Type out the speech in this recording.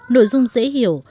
nội dung dễ hiểu